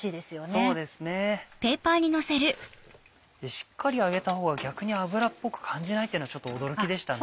しっかり揚げた方が逆に油っぽく感じないっていうのはちょっと驚きでしたね。